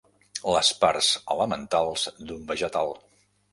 Les parts elementals d'un vegetal.